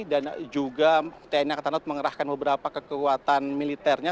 dan juga tni angkatan laut mengerahkan beberapa kekuatan militernya